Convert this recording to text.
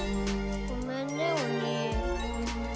ごめんねお兄。